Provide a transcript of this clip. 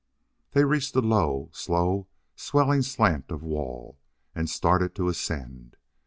They reached the low, slow swelling slant of wall and started to ascend.